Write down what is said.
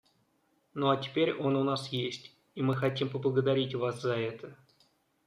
Ну а теперь он у нас есть, и мы хотим поблагодарить вас за это.